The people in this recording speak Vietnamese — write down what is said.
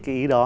cái ý đó